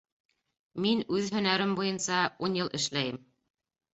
Мин үҙ һәнәрем буйынса ун йыл эшләйем